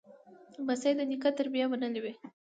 لمسی د نیکه تربیه منلې وي.